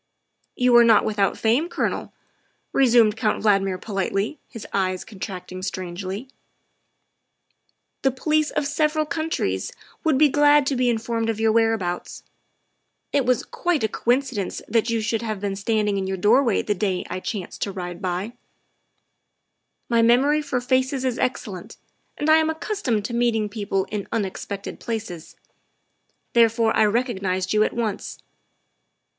" You are not without fame, Colonel," resumed Count Valdmir politely, his eyes contracting strangely; " the police of several countries would be glad to be informed of your whereabouts. It was quite a coincidence that you should have been standing in your doorway the day THE SECRETARY OF STATE 25 I chanced to ride past. My memory for faces is excel lent, and I am accustomed to meeting people in unex pected places; therefore I recognized you at once."